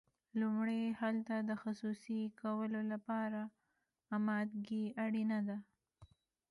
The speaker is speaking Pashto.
لومړی هلته د خصوصي کولو لپاره امادګي اړینه ده.